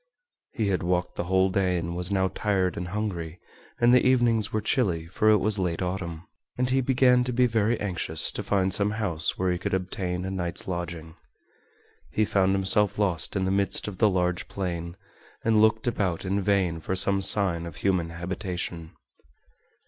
He had walked the whole day and was now tired and hungry, and the evenings were chilly, for it was late autumn, and he began to be very anxious to find some house where he could obtain a night's lodging. He found himself lost in the midst of the large plain, and looked about in vain for some sign of human habitation.